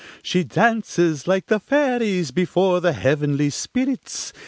She dances like the fairies before the heavenly spirits.